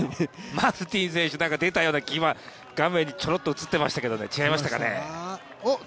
マルティン選手出たような気が画面にちょろっと映ったような気がしましたが違いましたかね。